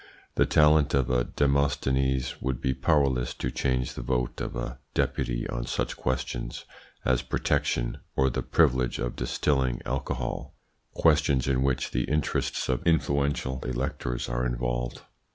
The talent of a Demosthenes would be powerless to change the vote of a Deputy on such questions as protection or the privilege of distilling alcohol, questions in which the interests of influential electors are involved.